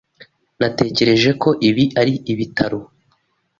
Natekereje ko ibi ari ibitaro.